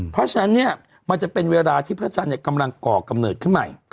เพราะฉะนั้นเนี่ยมันจะเป็นเวลาที่พระจันทร์กำลังก่อกำเนิดขึ้นใหม่